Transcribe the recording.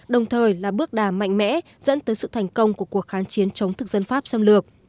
đồng thời là bước đà mạnh mẽ dẫn tới sự thành công của cuộc kháng chiến chống thực dân pháp xâm lược